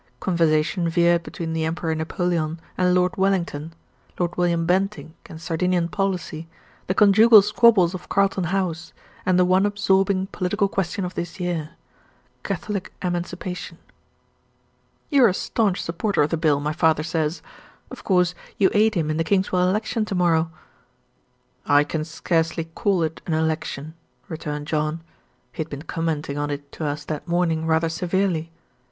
Conversation veered between the Emperor Napoleon and Lord Wellington, Lord William Bentinck and Sardinian policy, the conjugal squabbles of Carlton House, and the one absorbing political question of this year Catholic emancipation. "You are a staunch supporter of the Bill, my father says. Of course, you aid him in the Kingswell election to morrow?" "I can scarcely call it an election," returned John. He had been commenting on it to us that morning rather severely.